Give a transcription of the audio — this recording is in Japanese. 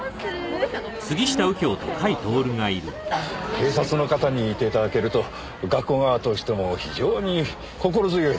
警察の方にいて頂けると学校側としても非常に心強いです。